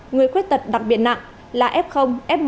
người khuyết tật đặc biệt nặng là f f một